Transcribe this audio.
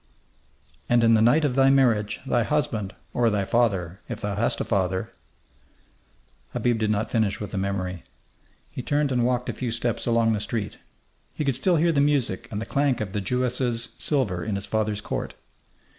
"And in the night of thy marriage thy husband, or thy father, if thou hast a father " Habib did not finish with the memory. He turned and walked a few steps along the street. He could still hear the music and the clank of the Jewess's silver in his father's court....